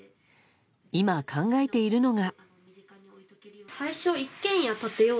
今、考えているのが。